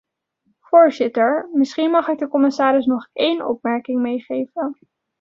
Voorzitter, misschien mag ik de commissaris nog één opmerking meegeven.